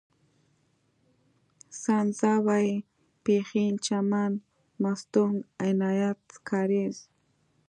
سنځاوۍ، پښين، چمن، مستونگ، عنايت کارېز